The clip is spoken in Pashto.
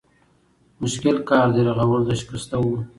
مشکل کار دی رغول د شکستو